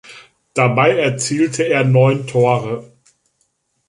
Dabei erzielte er neun Tore.